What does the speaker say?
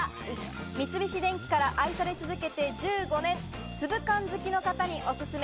三菱電機から愛され続けて１５年、粒感好きの方におすすめ。